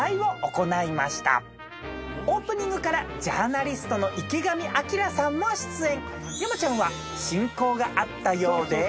オープニングからジャーナリストの池上彰さんも出演。